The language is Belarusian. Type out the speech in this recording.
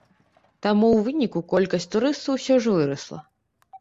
Таму ў выніку колькасць турыстаў усё ж вырасла.